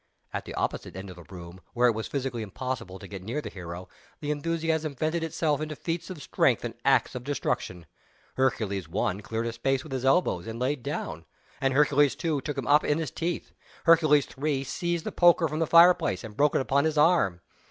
At the opposite end of the room, where it was physically impossible to get near the hero, the enthusiasm vented itself in feats of strength and acts of destruction. Hercules I. cleared a space with his elbows, and laid down and Hercules II. took him up in his teeth. Hercules III. seized the poker from the fireplace, and broke it on his arm.